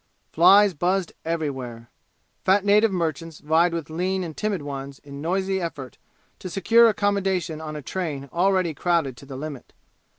Flies buzzed everywhere. Fat native merchants vied with lean and timid ones in noisy effort to secure accommodation on a train already crowded to the limit.